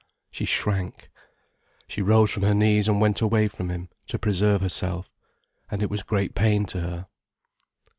She shrank. She rose from her knees and went away from him, to preserve herself. And it was great pain to her.